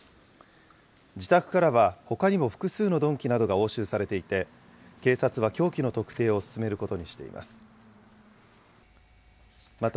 自宅からはほかにも複数の鈍器などが押収されていて、警察は凶器の特定を進めることにしています。